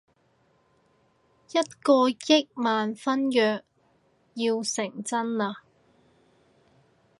一個億萬婚約要成真喇